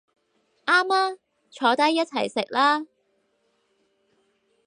啱吖，坐低一齊食啦